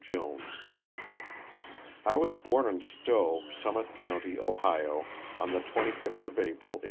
JONES. T WAS born in Stow, Summit county, Ohio, on the * 25th of April, 1843.